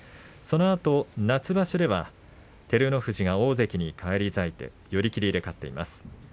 そのあと夏場所では照ノ富士が大関に返り咲いて寄り切りで勝っています。